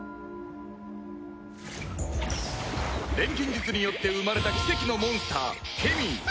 錬金術によって生まれた奇跡のモンスターケミー